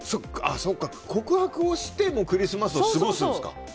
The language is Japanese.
告白をしてクリスマスを過ごすんですか